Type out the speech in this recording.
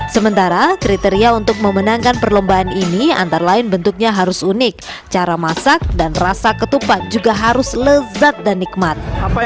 sementara kriteria untuk memenangkan perlombaan ini antara lain bentuknya harus unik cara masak dan rasa ketupat juga harus lezat dan nikmat